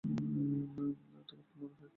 তোমার কী মনে হয়?